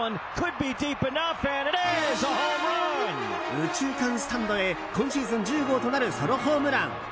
右中間スタンドへ今シーズン１０号となるソロホームラン。